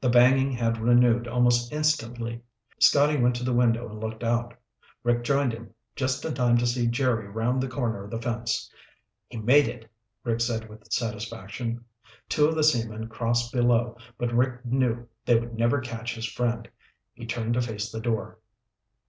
The banging had renewed almost instantly. Scotty went to the window and looked out. Rick joined him just in time to see Jerry round the corner of the fence. "He made it," Rick said with satisfaction. Two of the seamen crossed below, but Rick knew they would never catch his friend. He turned to face the door.